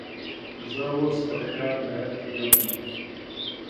زه اوس پکتيا ولايت کي يم